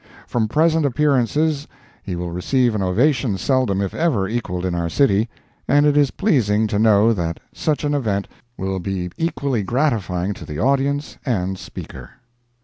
From present appearances he will receive an ovation seldom if ever equalled in our city and it is pleasing to know that such an event will be equally gratifying to the audience and speaker.